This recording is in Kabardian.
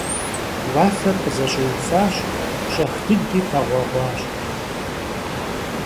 Уафэр къызэщӏиуфащ, щӏэх дыди къэгъуэгъуащ.